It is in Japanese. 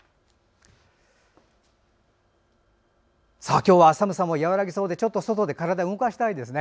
今日は寒さも和らぎそうで外で体を動かしたいですね。